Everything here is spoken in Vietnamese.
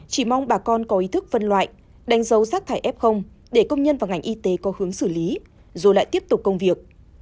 chỉ mong bà con có ý thức phân loại đánh dấu rác thải f để công nhân và ngành y tế có hướng xử lý rồi lại tiếp tục công việc